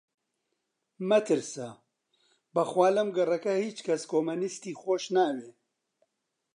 مەترسە! بە خوا لەم گەڕەکە هیچ کەس کۆمۆنیستی خۆش ناوێ